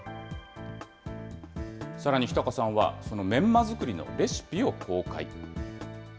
さらに日高さんは、そのメンマ作りのレシピを公開。